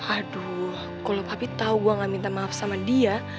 aduh kalo papi tau gua ga minta maaf sama dia